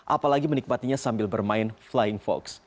apalagi menikmatinya sambil bermain flying fox